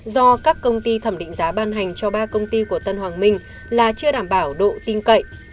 do các công ty thẩm định giá ban hành cho ba công ty của tân hoàng minh là chưa đảm bảo độ tin cậy